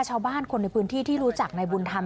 ชาวบ้านคนในพื้นที่ที่รู้จักในบุญธรรม